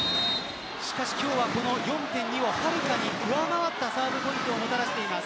しかし今日は４．２をはるかに上回ったサーブポイントをもたらしています。